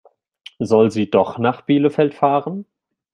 Soll sie doch nach Bielefeld fahren?